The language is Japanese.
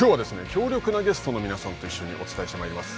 強力なゲストの皆さんと一緒にお伝えしてまいります。